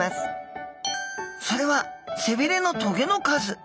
それは背びれのトゲの数。